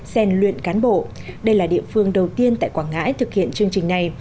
xen luyện cán bộ đây là địa phương đầu tiên tại quảng ngãi thực hiện chương trình này